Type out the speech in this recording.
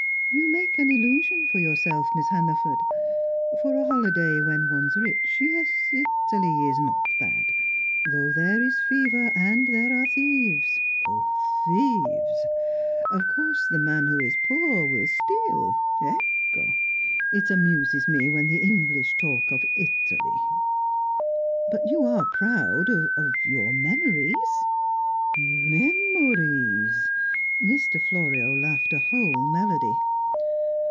You make an illusion for yourself, Miss Hannaford. For a holiday when one's rich, yes, Italy is not bad though there is fever, and there are thieves oh, thieves! Of course the man who is poor will steal ecco! It amuses me, when the English talk of Italy." "But you are proud of of your memories?" "Memories!" Mr. Florio laughed a whole melody.